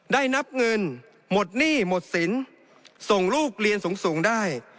ได้นับเงินหมดหนี้หมดสินส่งลูกเรียนสูงได้